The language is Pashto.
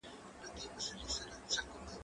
که وخت وي، لیکل کوم؟